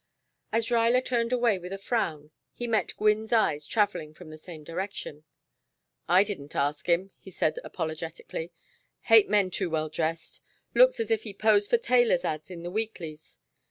As Ruyler turned away with a frown he met Gwynne's eyes traveling from the same direction. "I didn't ask him," he said apologetically. "Hate men too well dressed. Looks as if he posed for tailors' ads in the weeklies.